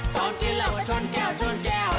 ตอนกินเราก็ชนแก้วชนแก้ว